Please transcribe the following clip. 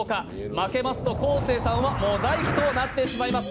負けますと昴生さんはモザイクとなってしまします。